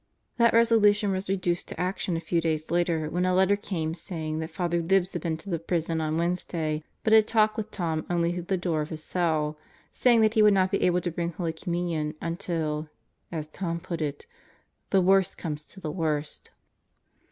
That resolution was reduced to action a few days later when a letter came saying that Father Libs had been to the prison cm Solitary Confinement 55 Wednesday but had talked with Tom only through the door of his cell, saying that he would not be able to bring Holy Com munion until, as Tom put it, "the worst comes to the worst."